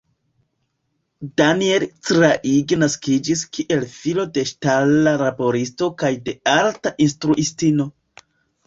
Daniel Craig naskiĝis kiel filo de ŝtala laboristo kaj de arta instruistino.